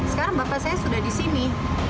sekarang bapak saya sudah di sini